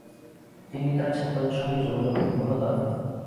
তিনি তাঁর ছাত্রদের সঙ্গে যোগাযোগ অব্যাহত রাখেন।